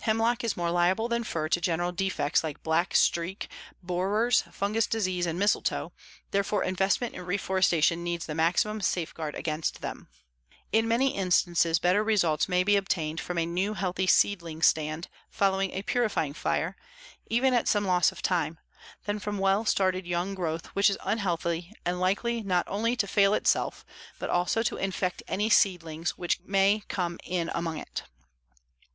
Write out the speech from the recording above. Hemlock is more liable than fir to general defects like black streak, borers, fungous disease and mistletoe, therefore investment in reforestation needs the maximum safeguard against them. In many instances better results may be obtained from a new healthy seedling stand following a purifying fire, even at some loss of time, than from well started young growth which is unhealthy and likely not only to fail itself but also to infect any seedlings which may come in among it.